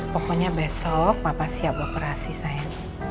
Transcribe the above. pokoknya besok papa siap operasi sayang